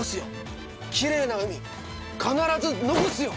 きれいな海必ず残すよ！